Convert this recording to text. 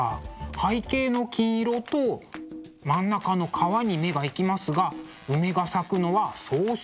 背景の金色と真ん中の川に目が行きますが梅が咲くのは早春。